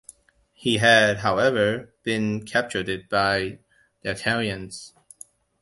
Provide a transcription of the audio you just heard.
He had, however, been captured by the Italians.